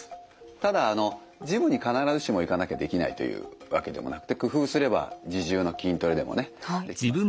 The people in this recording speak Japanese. ただあのジムに必ずしも行かなきゃできないというわけでもなくて工夫すれば自重の筋トレでもねできますから。